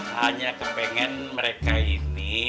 hanya kepengen mereka ini